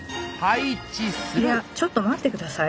いやちょっと待って下さい？